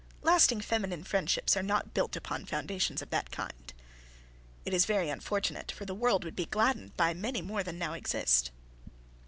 Lasting feminine friendships are not built upon foundations of that kind. It is very unfortunate, for the world would be gladdened by many more than now exist.